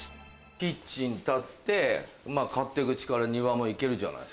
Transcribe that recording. キッチン立って勝手口から庭も行けるじゃないですか。